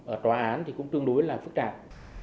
ở tòa án thì cũng tương đối là phức tạp